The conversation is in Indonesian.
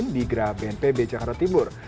di gera bnpb jakarta timur